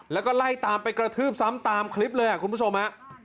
แล้วก็ไล่ตามไปกระทืบซ้ำตามคลิปเลยคุณผู้ชมฮะ